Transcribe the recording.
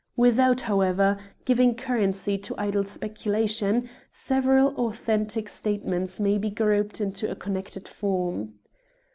Without, however, giving currency to idle speculation, several authentic statements may be grouped into a connected form.